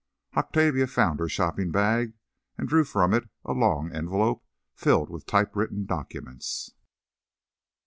Octavia found her shopping bag, and drew from it a long envelope filled with typewritten documents.